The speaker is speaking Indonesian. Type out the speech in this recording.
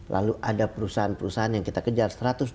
lalu ada perusahaan perusahaan yang kita kejar